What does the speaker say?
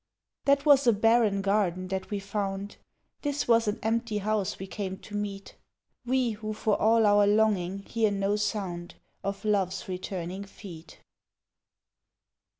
That was a barren garden that we found, This was an empty house we came to meet, We, who for all our longing, hear no sound Of Love's returning feet.